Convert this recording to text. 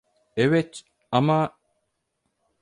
Evet, ama...